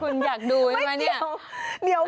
คุณอยากดูใช่ไหมเนี่ยไม่เกี่ยว